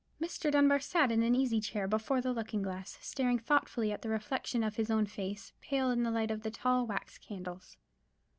Mr. Dunbar sat in an easy chair before the looking glass, staring thoughtfully at the reflection of his own face, pale in the light of the tall wax candles.